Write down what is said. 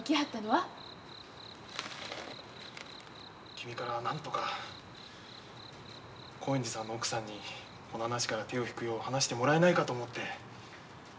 君からなんとか興園寺さんの奥さんにこの話から手を引くよう話してもらえないかと思って。